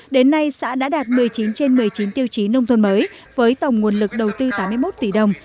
đến nay xã đã đạt một mươi chín trên một mươi chín tiêu chí nông thôn mới với tổng nguồn lực đầu tư tám mươi một tỷ đồng